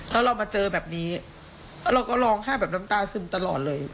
แล้วเรามาเจอแบบนี้แล้วเราก็ร้องไห้แบบน้ำตาซึมตลอดเลย